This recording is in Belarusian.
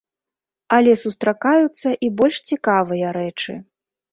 Але сустракаюцца і больш цікавыя рэчы.